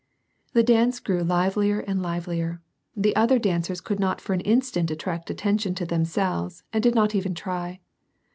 The dance grew livelier and livelier. The other dancers could not for an instant attract attention to themselves and did not even try.